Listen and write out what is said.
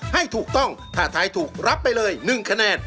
ให้ถูกต้องถ้าทายถูกรับไปเลย๑คะแนน